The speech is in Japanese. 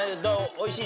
おいしい？